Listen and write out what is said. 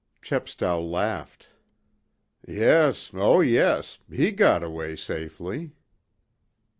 Chepstow laughed. "Yes, oh yes. He got away safely."